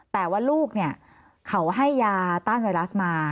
แต่ว่าลูกเขาให้ยาต้านไนรัสมา